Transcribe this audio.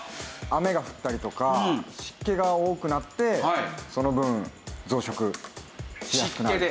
雨が降ったりとか湿気が多くなってその分増殖しやすくなる。